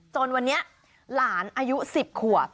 จนวันนี้หลานอายุ๑๐ขวบ